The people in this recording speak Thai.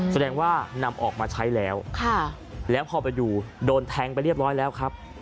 แสดงว่านำออกมาใช้แล้วแล้วพอไปดูโดนแทงไปเรียบร้อยแล้วครับ